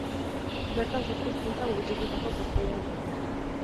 Bertan zazpi hizkuntza gutxitutako partaideak daude.